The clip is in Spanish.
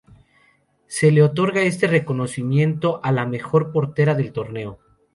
Se le otorga este reconocimiento a la mejor portera del torneo.